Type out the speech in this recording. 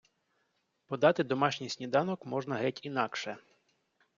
Подати домашній сніданок можна геть інакше.